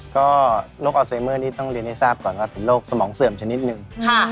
ก็โรคอัลไซเมอร์นี่ต้องเรียนให้ทราบก่อนว่าเป็นโรคสมองเสื่อมชนิดหนึ่ง